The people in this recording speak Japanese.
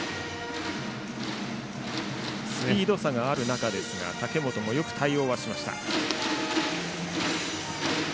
スピード差がある中ですが武本もよく対応しました。